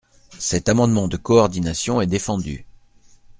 Cet amendement de coordination est défendu.